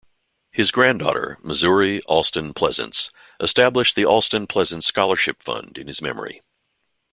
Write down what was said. His granddaughter, Missouri Alston Pleasants, established the Alston-Pleasants scholarship fund in his memory.